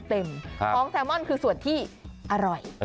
ของแซลมอนคือส่วนที่อร่อย